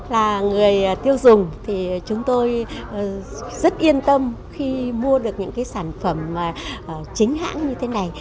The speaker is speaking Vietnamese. là người tiêu dùng thì chúng tôi rất yên tâm khi mua được những cái sản phẩm chính hãng như thế này